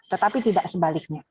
tetapi tidak sebaliknya